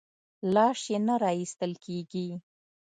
لاش یې نه راایستل کېږي.